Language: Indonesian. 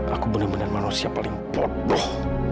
aku bener bener manusia paling bodoh